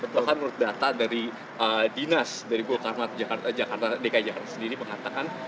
bahkan menurut data dari dinas dari golkar dki jakarta sendiri mengatakan